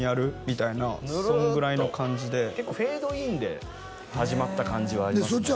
みたいなそんぐらいの感じで結構フェードインで始まった感じはありますね